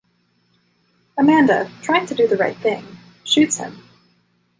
Amanda, trying to do the right thing, shoots him.